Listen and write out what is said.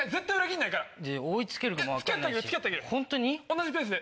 同じペースで。